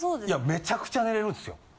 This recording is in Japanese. めちゃくちゃ寝れるんですよ。